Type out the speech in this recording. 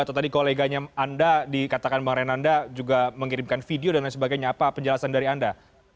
atau tadi koleganya anda dikatakan bang renanda juga mengirimkan video dan lain sebagainya apa penjelasan dari anda